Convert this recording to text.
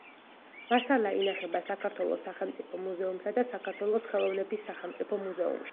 მასალა ინახება საქართველოს სახელმწიფო მუზეუმსა და საქართველოს ხელოვნების სახელმწიფო მუზეუმში.